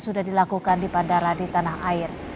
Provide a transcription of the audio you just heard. sudah dilakukan di bandara di tanah air